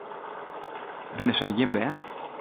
Binne sy jim bern?